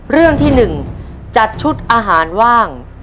เรื่องที่๑จัดชุดอาหารว่าง